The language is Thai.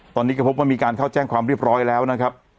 ตอนนี้ก็พบว่ามีการเข้าแจ้งความเรียบร้อยแล้วนะครับ